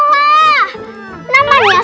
namanya sepatu mahal